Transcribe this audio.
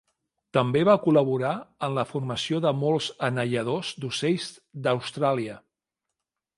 També va col·laborar en la formació de molts anelladors d'ocells d'Austràlia.